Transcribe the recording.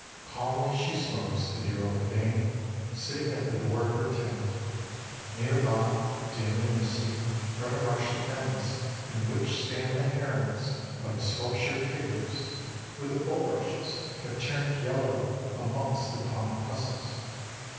Calmly she smokes, the dear old dame, sitting at the door of her tent. Near by, dim and misty, are the marshy fens, in which stand the herons like sculptured figures, where the bulrushes have turned yellow amongst the tawny tussocks.